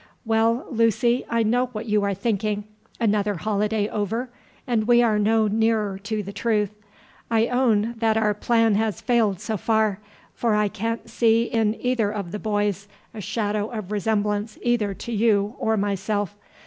"Well, Lucy, I know what you are thinking: another holiday over, and we are no nearer to the truth. I own that our plan has failed so far, for I can't see in either of the boys a shadow of resemblance either to you or myself.